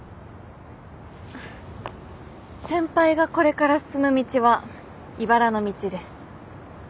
先輩がこれから進む道はいばらの道です。